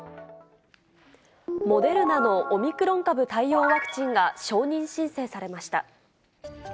モデルナのオミクロン株対応ワクチンが、承認申請されました。